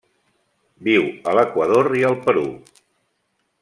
Viu a l'Equador i el Perú.